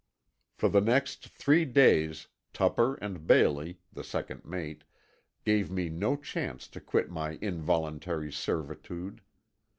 For the next three days Tupper, and Bailey, the second mate, gave me no chance to quit my involuntary servitude.